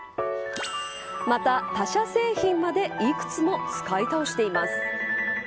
また、他社製品まで幾つも使い倒しています。